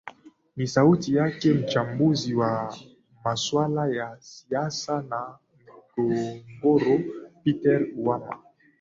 ni sauti yake mchambuzi wa masuala ya siasa na migogoro peter ouma